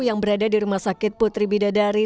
yang berada di rumah sakit putri bidadari